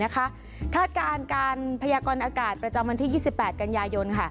คาดการณ์การพยากรอากาศประจำวันที่๒๘กันยายน